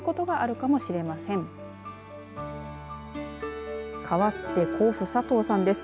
かわって甲府、佐藤さんです。